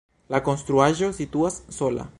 La konstruaĵo situas sola.